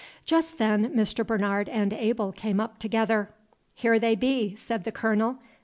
Just then Mr. Bernard and Abel came up together. "Here they be," said the Colonel.